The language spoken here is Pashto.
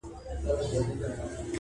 څه به کړو چي دا دریاب راته ساحل شي،